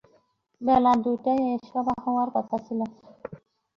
বেলা দুইটায় এ সভা হওয়ার কথা ছিল।